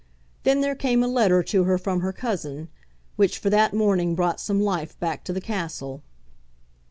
Then there came a letter to her from her cousin, which for that morning brought some life back to the castle.